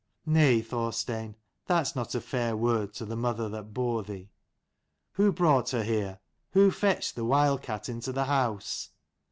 " Nay, Thorstein : that's not a fair word to the mother that bore thee. Who brought her here ? Who fetched the wild cat into the house